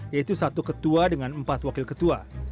yaitu satu ketua dengan empat wakil ketua